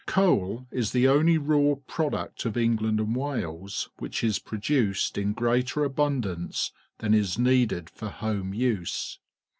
Coa l is the only raw product of EnglSad_and Wales which is produced in greater abundance than is needed for home use.